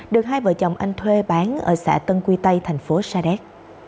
được hai vợ chồng anh thuê bán ở xã tân quy tây tp sa đéc